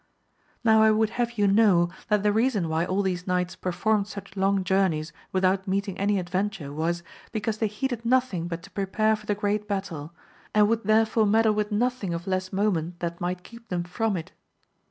Now I would have you know, that the reason why all these knights performed such long journeys without meeting any adventure, was, because they heeded nothing but to prepare for the great bat tle, and would therefore meddle with nothing of less moment that might keep them from it.